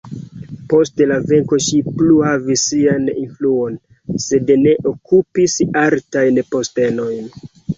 Post la venko ŝi plu havis sian influon, sed ne okupis altajn postenojn.